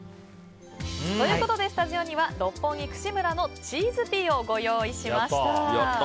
ということでスタジオには六本木串むらのチーズピーをご用意しました。